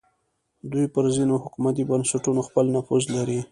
دوی پر ځینو حکومتي بنسټونو خپل نفوذ لري